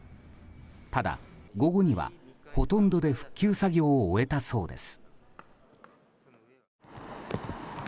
ただ、午後にはほとんどで復旧作業を終えたそうです。